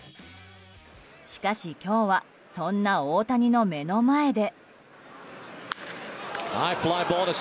しかし、今日はそんな大谷の目の前で。